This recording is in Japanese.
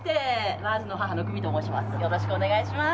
ラーズの母の久美と申します。